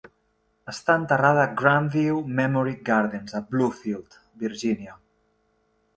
Està enterrada a Grandview Memory Gardens, a Bluefield, Virgínia.